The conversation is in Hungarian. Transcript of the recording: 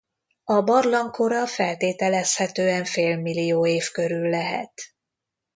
A barlang kora feltételezhetően félmillió év körül lehet.